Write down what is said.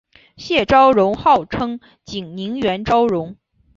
谢昭容号称景宁园昭容。